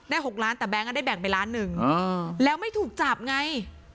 ได้หกล้านแต่แบงก์อ่ะได้แบ่งไปล้านหนึ่งอ่าแล้วไม่ถูกจับไง